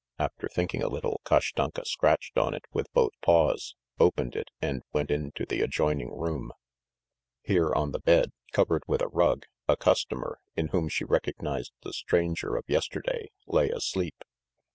After thinking a little Kashtanka scratched on it with both paws, opened it, and went into the adjoining room. Here on the bed, covered with a rug, a customer, in whom she recognised the stranger of yesterday, lay asleep.